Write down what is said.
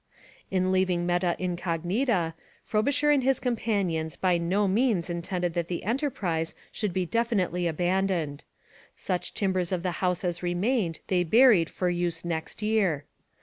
In leaving Meta Incognita, Frobisher and his companions by no means intended that the enterprise should be definitely abandoned. Such timbers of the house as remained they buried for use next year.